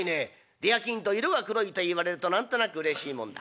出商人色が黒いと言われると何となくうれしいもんだ。